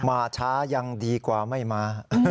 มาช้ายังดีกว่าไม่มา